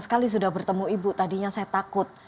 sekali sudah bertemu ibu tadinya saya takut